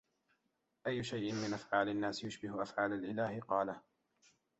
أَيُّ شَيْءٍ مِنْ أَفْعَالِ النَّاسِ يُشْبِهُ أَفْعَالَ الْإِلَهِ ؟ قَالَ